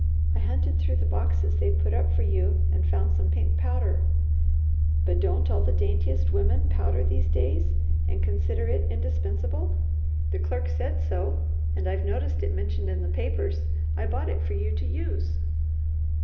I hunted through the boxes they put up for you and found some pink powder " "But don't all the daintiest women powder these days, and consider it indispensable? The clerk said so, and I've noticed it mentioned in the papers. I bought it for you to use."